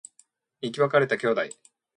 生き別れた兄弟